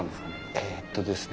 えっとですね